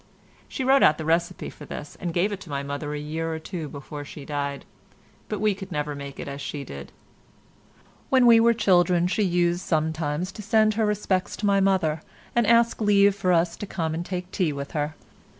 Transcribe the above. She wrote out the recipe for this and gave it to my mother a year or two before she died, but we could never make it as she did. When we were children she used sometimes to send her respects to my mother, and ask leave for us to come and take tea with her.